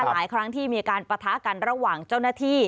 หลายครั้งที่มีการปะทะกันระหว่างเจ้าหน้าที่